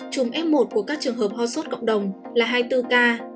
trùng f một của các trường hợp ho sốt cộng đồng là hai mươi bốn ca